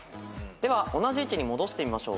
では同じ位置に戻してみましょう。